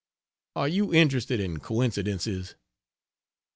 Are you interested in coincidences?